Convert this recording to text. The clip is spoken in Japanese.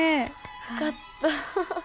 よかった。